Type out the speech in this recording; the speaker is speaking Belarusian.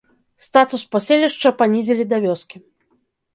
Статус паселішча панізілі да вёскі.